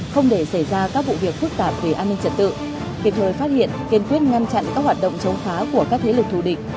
không để xảy ra các vụ việc phức tạp về an ninh trật tự kịp thời phát hiện kiên quyết ngăn chặn các hoạt động chống phá của các thế lực thù địch